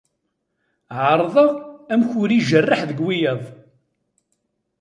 Yeεreḍ amek ur ijerreḥ deg wiyaḍ.